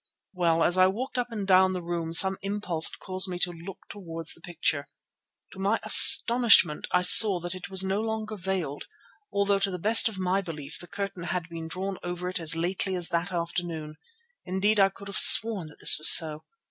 "Well, as I walked up and down the room some impulse caused me to look towards the picture. To my astonishment I saw that it was no longer veiled, although to the best of my belief the curtain had been drawn over it as lately as that afternoon; indeed I could have sworn that this was so.